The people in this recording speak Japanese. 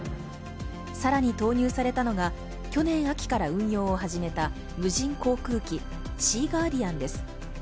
更に投入されたのが去年秋から運用を始めた無人航空機「シーガーディアン」です。